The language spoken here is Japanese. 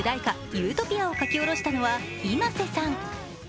「ユートピア」を書き下ろしたのはｉｍａｓｅさん。